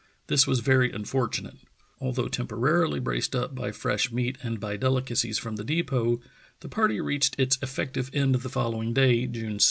This was very unfortunate." Although temporarily braced up by fresh meat and by delicacies from the depot, the party reached its Parr's Lonely March 259 effective end the following day, June 6.